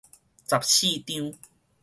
十四張